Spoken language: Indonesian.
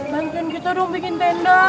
bantuan kita dong bikin tenda